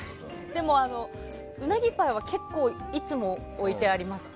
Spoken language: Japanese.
でも、うなぎパイは結構いつも置いてあります。